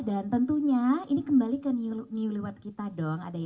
dan tentunya ini kembali ke new new world kita dong